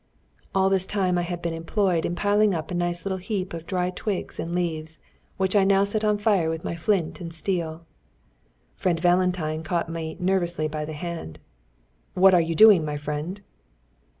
All this time I had been employed in piling up a nice little heap of dry twigs and leaves, which I now set on fire with my flint and steel. Friend Valentine caught me nervously by the hand. "What are you doing, my friend?"